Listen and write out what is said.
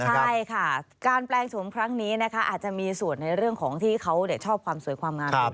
ใช่ค่ะการแปลงโฉมครั้งนี้นะคะอาจจะมีส่วนในเรื่องของที่เขาชอบความสวยความงาม